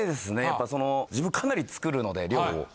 やっぱその自分かなり作るので量を。